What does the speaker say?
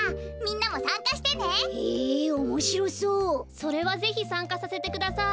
それはぜひさんかさせてください。